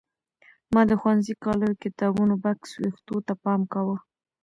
ما د ښوونځي کالیو کتابونو بکس وېښتو ته پام کاوه.